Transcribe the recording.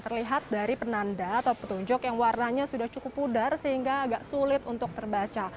terlihat dari penanda atau petunjuk yang warnanya sudah cukup pudar sehingga agak sulit untuk terbaca